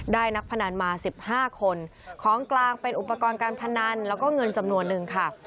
นักพนันมา๑๕คนของกลางเป็นอุปกรณ์การพนันแล้วก็เงินจำนวนนึงค่ะ